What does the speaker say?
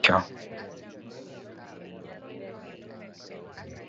Ka gin joma mer, gitimo gik maricho.